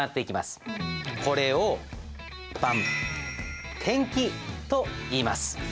これを転記といいます。